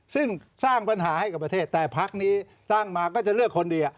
ซึ่งสร้างปัญหาให้กับประเทศแต่พักนี้ตั้งมาก็จะเลือกคนดี